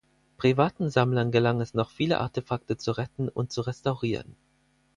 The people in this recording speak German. Privaten Sammlern gelang es noch viele Artefakte zu retten und zu restaurieren.